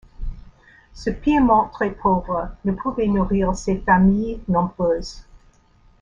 Ce Piémont très pauvre ne pouvait nourrir ses familles nombreuses.